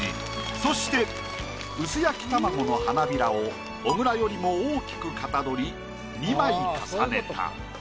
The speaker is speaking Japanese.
そしてうす焼き卵の花びらを小倉よりも大きくかたどり２枚重ねた。